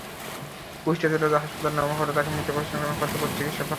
Kushtia general হাসপাতালে নেওয়া হলে তাঁকে মৃত ঘোষণা করেন কর্তব্যরত চিকিৎসা কর্মকর্তা।